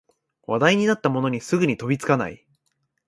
話題になったものにすぐに飛びつかない